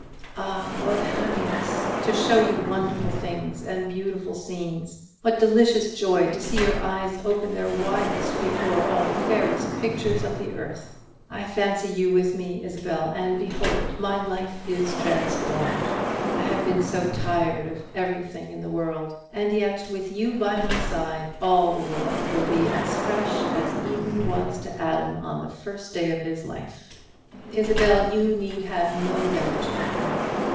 Ah, what happiness! to show you wonderful things and beautiful scenes! What delicious joy to see your eyes open their widest before all the fairest pictures of earth! I fancy you with me, Isabel, and, behold, my life is transformed. I have been so tired of everything in the world; and yet, with you by my side, all the world will be as fresh as Eden was to Adam on the first day of his life. Isabel, you need have no doubt of me.